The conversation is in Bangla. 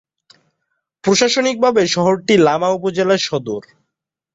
প্রশাসনিকভাবে শহরটি লামা উপজেলার সদর।